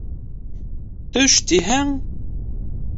Төш тиһәң...